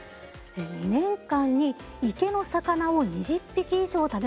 「２年間に池の魚を２０匹以上食べられました。